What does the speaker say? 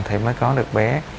thì mới có được bé